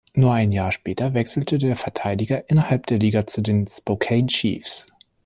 Nur ein Jahr später wechselte der Verteidiger innerhalb der Liga zu den Spokane Chiefs.